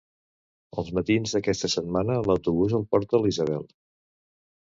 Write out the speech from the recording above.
Els matins d'aquesta setmana l'autobús el porta la Isabel